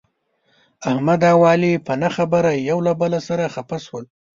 احمد او علي په نه خبره یو له بل سره خپه شول.